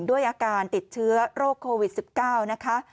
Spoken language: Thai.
ด้วยอาการติดเชื้อโรคโควิด๑๙นะคะ